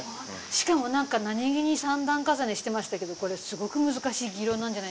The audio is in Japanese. しかも何気に３段重ねしてましたけどこれすごく難しい技量なんじゃないですか？